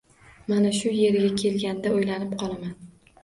Mana shu yeriga kelganda o‘ylanib qolaman